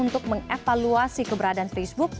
terima kasih apazdob